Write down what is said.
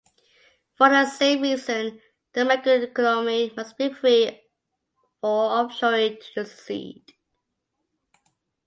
For the same reason the macroeconomy must be free for offshoring to succeed.